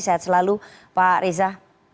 sehat selalu pak reza